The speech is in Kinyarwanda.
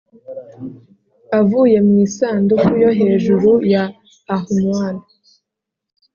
avuye mu isanduku yo hejuru ya armoire,